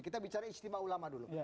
kita bicara istimewa ulama dulu